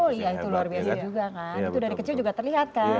oh iya itu luar biasa juga kan itu dari kecil juga terlihat kan